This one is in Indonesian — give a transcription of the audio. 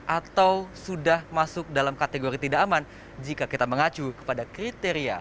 atau sudah masuk dalam kategori tidak aman jika kita mengacu kepada kriteria